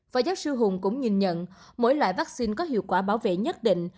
và giáo sư hùng cũng nhìn nhận mỗi loại vaccine có hiệu quả bảo vệ nhất định